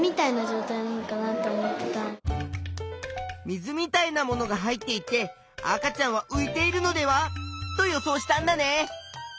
水みたいなものが入っていて赤ちゃんは浮いているのではと予想したんだね。